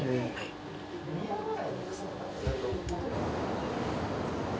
はい。